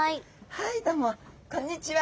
はいどうもこんにちは。